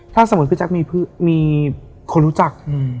ถ้าสมมุติพี่แจ๊คมีคนรู้จัก